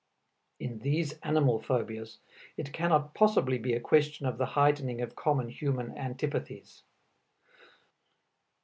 In these animal phobias it cannot possibly be a question of the heightening of common human antipathies.